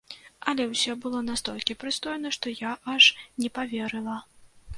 Але ўсё было настолькі прыстойна, што я аж не паверыла.